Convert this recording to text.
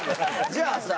じゃあさ。